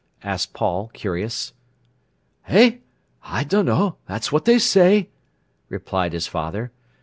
asked Paul, curious. "Eh, I dunno; that's what they say," replied his father.